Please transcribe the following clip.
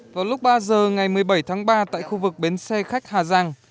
vào lúc ba giờ ngày một mươi bảy tháng ba tại khu vực bến xe khách hà giang